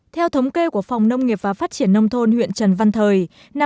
theo thống kê của phòng nông nghiệp và phát triển nông thôn huyện trần văn thời